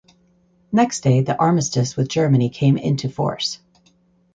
Next day the Armistice with Germany came into force.